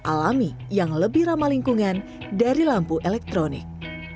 alami yang lebih ramah lingkungan dari lampu elektronik